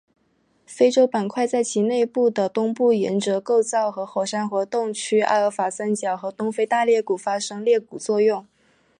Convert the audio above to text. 非洲板块在其内部的东部沿着构造和火山活动区阿法尔三角和东非大裂谷发生裂谷作用。